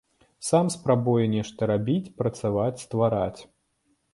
Сам спрабуе нешта рабіць, працаваць, ствараць.